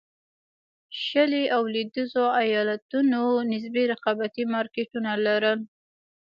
شلي او لوېدیځو ایالتونو نسبي رقابتي مارکېټونه لرل.